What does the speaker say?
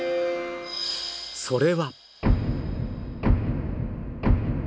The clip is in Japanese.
それは。